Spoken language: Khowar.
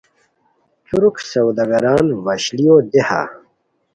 تُرک سودا گران وشلیو دیہہ